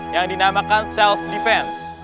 yang dinamakan self defense